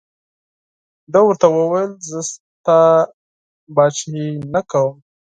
ده ورته وویل زه ستا پاچهي نه کوم.